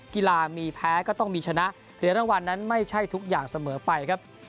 กีฬามีแพ้ก็ต้องมีชนะเหรียญรางวัลนั้นไม่ใช่ทุกอย่างเสมอไปครับ